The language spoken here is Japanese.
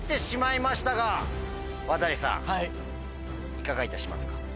いかがいたしますか？